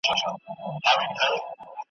چي ما په خپل ټول ژوند کي .